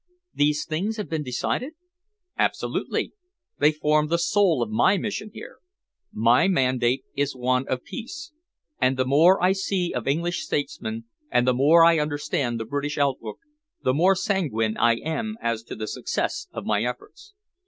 "These things have been decided?" "Absolutely! They form the soul of my mission here. My mandate is one of peace, and the more I see of English statesmen and the more I understand the British outlook, the more sanguine I am as to the success of my efforts.